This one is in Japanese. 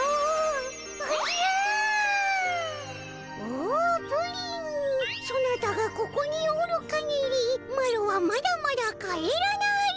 「おおプリンソナタがここにおるかぎりマロはまだまだ帰らない」。